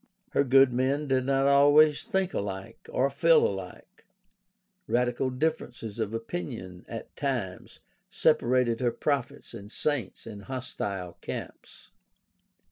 Her good men did not always think alike or feel alike. Radical differences of opinion at times separated her prophets and saints in hostile camps.